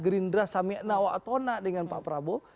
gerindra samyaknawa atona dengan pak prabowo